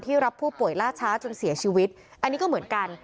รับผู้ป่วยล่าช้าจนเสียชีวิตอันนี้ก็เหมือนกัน